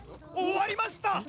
終わりました！